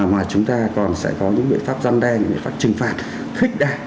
mà chúng ta còn sẽ có những biện pháp răn đen những biện pháp trừng phạt khích đạt